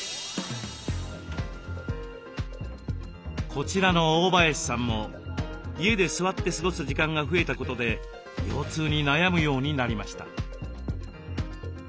こちらの大林さんも家で座って過ごす時間が増えたことで腰痛に悩むようになりました。